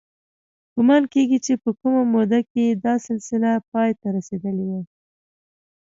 ګومان کېږي چې په کمه موده کې دا سلسله پای ته رسېدلې وي.